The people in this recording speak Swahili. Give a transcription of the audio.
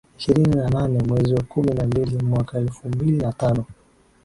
Ishirini na nane mwezi wa kumi na mbili mwaka elfu mbili na tano